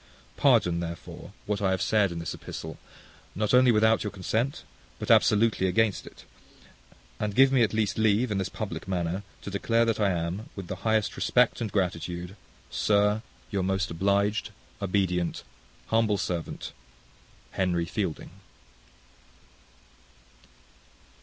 Pardon, therefore, what I have said in this epistle, not only without your consent, but absolutely against it; and give me at least leave, in this public manner, to declare that I am, with the highest respect and gratitude, Sir, Your most obliged, Obedient, humble servant, HENRY FIELDING.